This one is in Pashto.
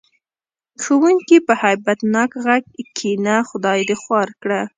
ښوونکي په هیبت ناک غږ: کېنه خدای دې خوار کړه.